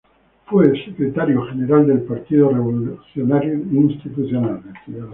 Fue secretaria general del Partido Revolucionario Institucional.